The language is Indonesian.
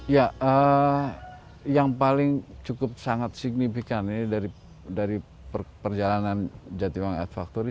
ya yang paling cukup sangat signifikan ini dari perjalanan jatibang ad factory